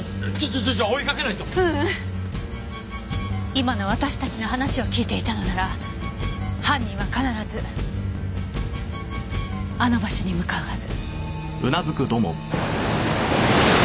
今の私たちの話を聞いていたのなら犯人は必ずあの場所に向かうはず。